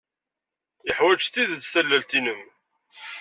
Yeḥwaj s tidet tallalt-nnem.